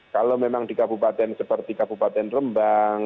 kalau memang di kabupaten seperti kabupaten rembang